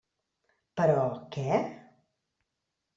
Però, què?